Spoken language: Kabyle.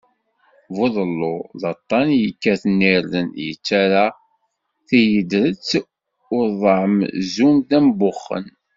Buḍellu d aṭṭan yekkaten irden, yettarra tiyedret ur tḍeɛɛem, zun d ambuxen.